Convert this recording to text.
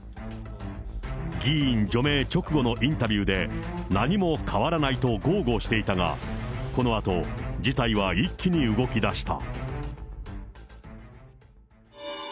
議員除名直後のインタビューで、何も変わらないと豪語していたが、このあと、事態は一気に動き出した。